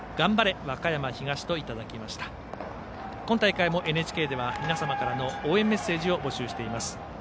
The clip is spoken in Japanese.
今大会もＮＨＫでは皆様からの応援メッセージを募集しています。